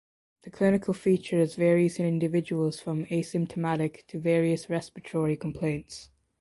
The clinical features varies in individuals from asymptomatic to various respiratory complaints.